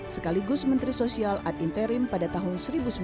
sekaligus menteri sosial ad interim pada tahun seribu sembilan ratus sembilan puluh